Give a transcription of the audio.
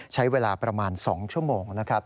ใช้เวลาประมาณ๒ชั่วโมงนะครับ